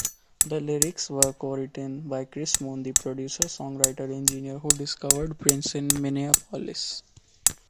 The lyrics were cowritten by Chris Moon, the producer-songwriter-engineer who discovered Prince in Minneapolis.